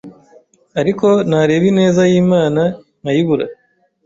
ariko nareba ineza y’Imana nkayibura.